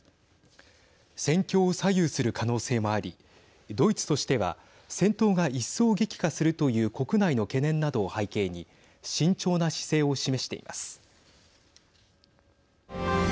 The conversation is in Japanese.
戦況を左右する可能性もありドイツとしては戦闘が一層激化するという国内の懸念などを背景に慎重な姿勢を示しています。